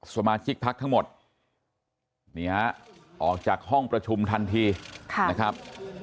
สมาชิกพักทั้งหมดนี่ฮะออกจากห้องประชุมทันทีนะครับ